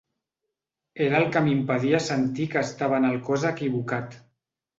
Era el que m’impedia sentir que estava en el cos equivocat.